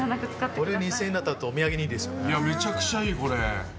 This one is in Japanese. これ２０００円だったらお土めちゃくちゃいい、これ。